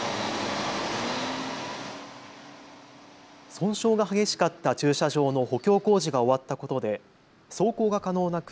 損傷が激しかった駐車場の補強工事が終わったことで走行が可能な車